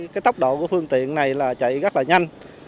cái tốc độ của phương tiện này là chạy rất là nhanh